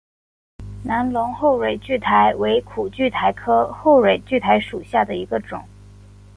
龙南后蕊苣苔为苦苣苔科后蕊苣苔属下的一个种。